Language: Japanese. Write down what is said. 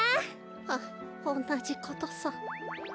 はっおんなじことさ。